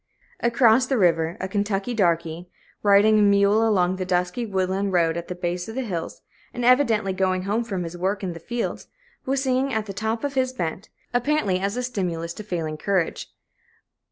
Across the river, a Kentucky darky, riding a mule along the dusky woodland road at the base of the hills, and evidently going home from his work in the fields, was singing at the top of his bent, apparently as a stimulus to failing courage.